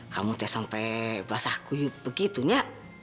kamu itu sampai basah kuyuk begitu ya